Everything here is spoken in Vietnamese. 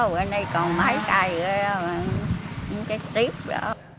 bên này còn mấy cây rồi đó không chết tiếp rồi đó